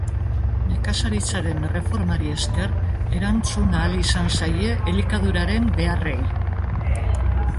Nekazaritzaren erreformari esker, erantzun ahal izan zaie elikaduraren beharrei.